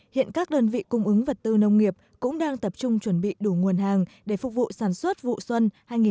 hiện các đơn vị cung ứng vật tư nông nghiệp cũng đang tập trung chuẩn bị đủ nguồn hàng để phục vụ sản xuất vụ xuân hai nghìn một mươi bảy